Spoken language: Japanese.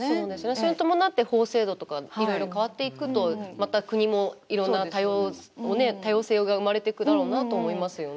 それに伴って法制度とかいろいろ変わっていくとまた国もいろんな多様性が生まれていくだろうなと思いますよね。